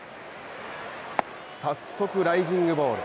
早速、ライジングボール。